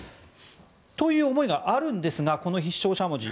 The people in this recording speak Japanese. という思いがあるんですがこの必勝しゃもじ